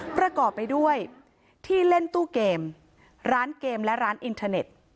ประกอบไปด้วยที่เล่นตู้เกมร้านเกมและร้านอินเทอร์เน็ต